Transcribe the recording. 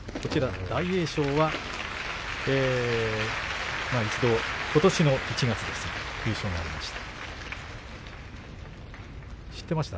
大栄翔はことしの１月優勝しました。